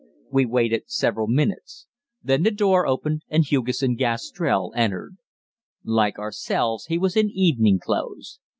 We waited several minutes. Then the door opened and Hugesson Gastrell entered. Like ourselves, he was in evening clothes.